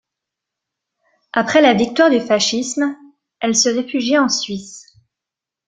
Après la victoire du fascisme, elle se réfugia en Suisse.